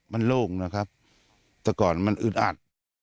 มันโล่งนะครับแต่ก่อนมันอึดอัด